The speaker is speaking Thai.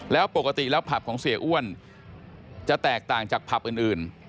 แล้วปกติแล้วผับของเสียอ้วนจะแตกต่างจากผับอื่น